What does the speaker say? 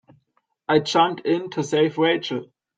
I jumped in to save Rachel.